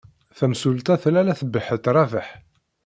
Tamsulta tella la tbeḥḥet Rabaḥ.